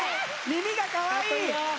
耳がかわいい！